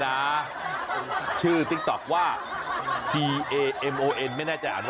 อาจจะฝังนักฟ้าย